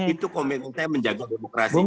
itu komitmen saya menjaga demokrasi